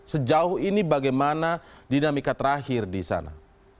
sejauh ini bagaimana dinamika terakhir di sana